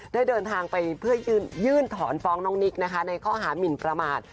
ได้เดินทางไปเพื่อยื่นถอนฟ้องน้องนิกนะคะในข้อหามินประมาท